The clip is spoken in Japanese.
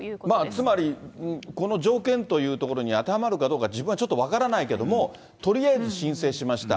つまり、この条件というところに当てはまるかどうか、自分はちょっと分からないけれども、とりあえず申請しました。